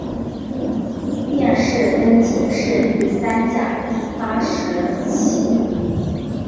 殿试登进士第三甲第八十七名。